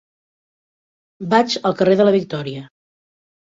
Vaig al carrer de la Victòria.